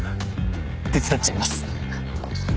手伝っちゃいます。